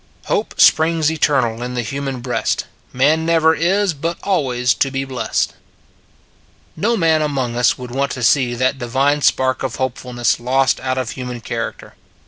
Hope springs eternal in the human breast; Man never is, but always to be blest. No man among us would want to see that divine spark of hopefulness lost out of human character.